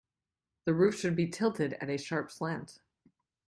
The roof should be tilted at a sharp slant.